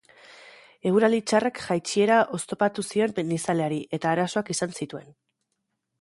Eguraldi txarrak jaitsiera oztopatu zion mendizaleari eta arazoak izan zituen.